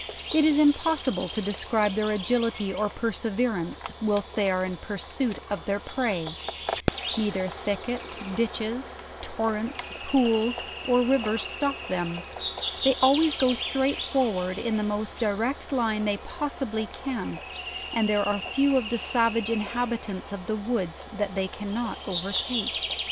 It is impossible to describe their agility or perseverance, whilst they are in pursuit of their prey; neither thickets, ditches, torrents, pools, or rivers stop them; they always go straight forward in the most direct line they possibly can, and there are few of the savage inhabitants of the woods that they cannot overtake.